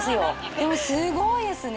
でもすごいですね。